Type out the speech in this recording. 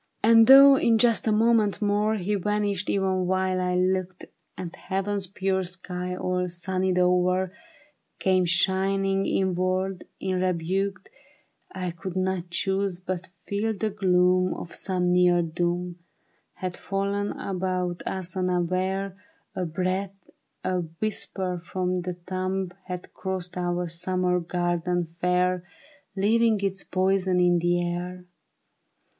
THE BARRICADE. And though in just a moment more He vanished even while I looked, And heaven's pure sky all sunnied o'er .Came shining inward unrebuked, I could not choose but feel the gloom Of some near doom Had fallen about us unaware ; A breath, a whisper from the tomb Had crossed our summer garden fair, Leaving its poison in the air.